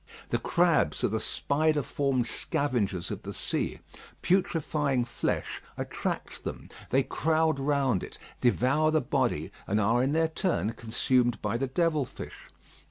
The crabs are the spider formed scavengers of the sea. Putrefying flesh attracts them; they crowd round it, devour the body, and are in their turn consumed by the devil fish.